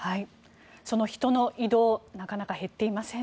その人の移動なかなか減っていません。